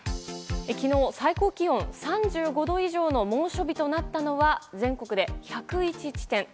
昨日、最高気温３５度以上の猛暑日となったのは、全国で１０１地点。